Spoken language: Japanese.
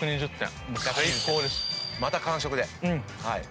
また完食で。